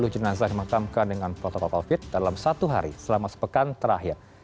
dua puluh jenazah dimakamkan dengan protokol covid dalam satu hari selama sepekan terakhir